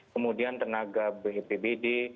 kemudian tenaga bpdb